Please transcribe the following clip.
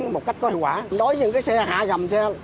một cách có hiệu quả đối với những xe hạ gầm xe